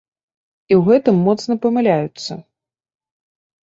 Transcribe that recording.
І ў гэтым моцна памыляюцца.